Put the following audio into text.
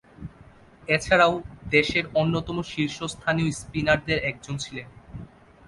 এছাড়াও, দেশের অন্যতম শীর্ষস্থানীয় স্পিনারদের একজন ছিলেন।